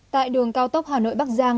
tại đường cao tốc hà nội bắc giang